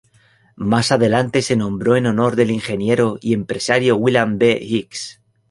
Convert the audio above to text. Más adelante se nombró en honor del ingeniero y empresario William B. Hicks.